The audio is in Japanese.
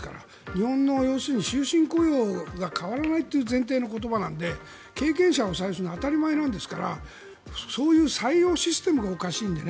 日本の雇用の形態が変わらないという前提の言葉なので経験者を採用するのは当たり前なんですからそういう採用システムがおかしいので。